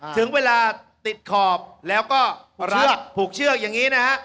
ถึงเวลาติดขอบแล้วก็เชือกผูกเชือกอย่างนี้นะฮะ